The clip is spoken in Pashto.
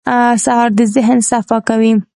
سهار د ذهن صفا کوي.